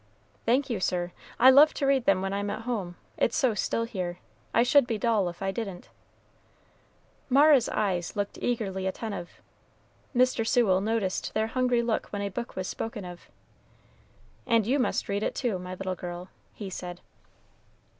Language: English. "Thank you, sir; I love to read them when I'm at home it's so still here. I should be dull if I didn't." Mara's eyes looked eagerly attentive. Mr. Sewell noticed their hungry look when a book was spoken of. "And you must read it, too, my little girl," he said.